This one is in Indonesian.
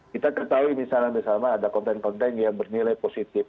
kita ketahui misalnya ada konten konten yang bernilai positif